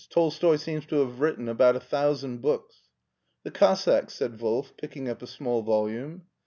Tolstoi seems to have written about a thousand books.'' "* The Cossacks,' " said Wolf, picking up a small volume.